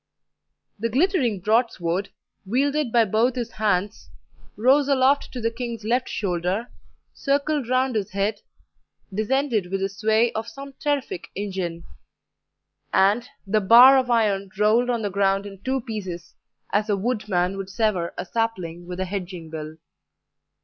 The glittering broadsword, wielded by both his hands, rose aloft to the king's left shoulder, circled round his head, descended with the sway of some terrific engine, and the bar of iron rolled on the ground in two pieces, as a woodman would sever a sapling with a hedging bill.